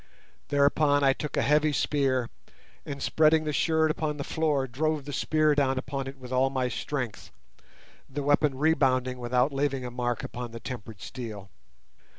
Thereupon I took a heavy spear, and, spreading the shirt upon the floor, drove the spear down upon it with all my strength, the weapon rebounding without leaving a mark upon the tempered steel.